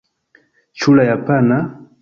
Ĉu la japana?